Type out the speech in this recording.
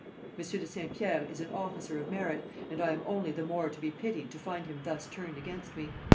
Monsieur de Saint Pierre is an officer of merit, and I am only the more to be pitied to find him thus turned against me.